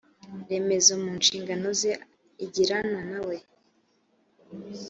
remezo mu nshingano ze igirana nawe